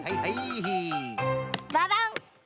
ババン！